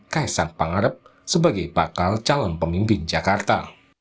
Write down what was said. kaisang pangarep sebagai bakal calon pemimpin jakarta